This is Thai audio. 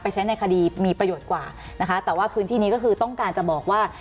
ใช้ในคดีมีประโยชน์กว่านะคะแต่ว่าพื้นที่นี้ก็คือต้องการจะบอกว่า